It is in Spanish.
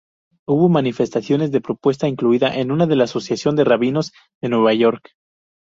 Hubo manifestaciones de protesta, incluida una de una asociación de rabinos de Nueva York.